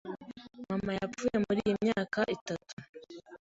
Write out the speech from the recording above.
Mama yapfuye muri iyi myaka itatu.